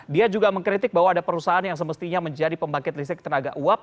dia juga mengkritik bahwa ada perusahaan yang semestinya menjadi pembangkit listrik tenaga uap